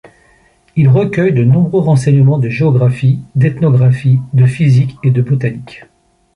Il recueille de nombreux renseignements de géographie, d'ethnographie, de physique et de botanique.